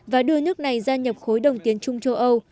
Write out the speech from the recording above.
và đưa nước này gia nhập khối đồng tiến chung châu âu